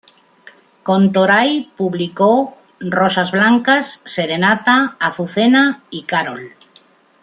Con Toray, publicó "Rosas Blancas", "Serenata," "Azucena" y "Carol".